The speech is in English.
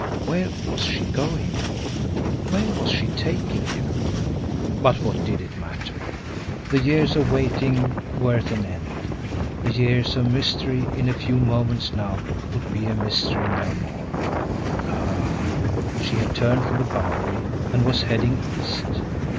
Where was she going? Where was she taking him? But what did it matter! The years of waiting were at an end the years of mystery in a few moments now would be mystery no more! Ah! She had turned from the Bowery, and was heading east.